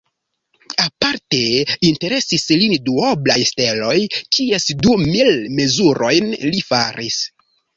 Aparte interesis lin duoblaj steloj, kies du mil mezurojn li faris.